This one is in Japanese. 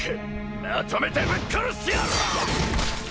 まとめてぶっ殺してや。